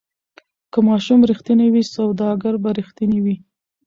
که ماشوم ریښتینی وي سوداګر به ریښتینی وي.